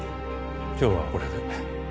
今日はこれで。